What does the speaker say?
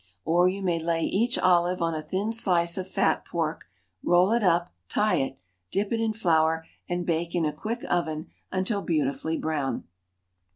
Or you may lay each olive on a thin slice of fat pork, roll it up, tie it, dip it in flour, and bake in a quick oven until beautifully brown.